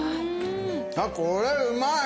あっこれうまい！